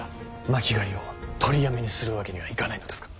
巻狩りを取りやめにするわけにはいかないのですか。